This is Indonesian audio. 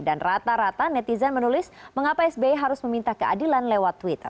dan rata rata netizen menulis mengapa sbe harus meminta keadilan lewat twitter